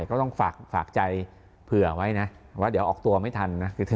ก็ต้องฝากใจเผื่อไว้นะว่าเดี๋ยวออกตัวไม่ทันนะ